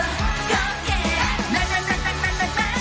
ใน